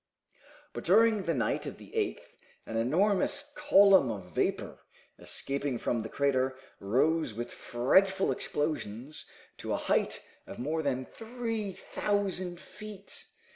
But during the night of the 8th an enormous column of vapor escaping from the crater rose with frightful explosions to a height of more than three thousand feet.